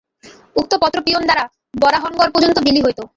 উক্ত পত্র পিয়ন দ্বারা বরাহনগর পর্যন্ত বিলি হইত।